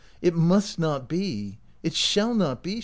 "It must not be! It shall not be!"